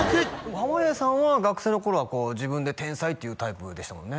濱家さんは学生の頃は自分で天才って言うタイプでしたもんね？